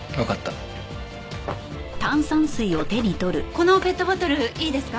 このペットボトルいいですか？